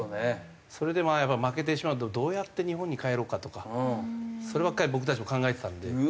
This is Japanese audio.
それでまあ負けてしまうとどうやって日本に帰ろうかとかそればっかり僕たちも考えてたんで。